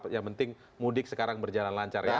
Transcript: yang penting mudik sekarang berjalan lancar ya